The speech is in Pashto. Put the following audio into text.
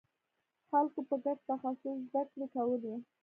خلکو به ګډ تخصص زدکړې کولې.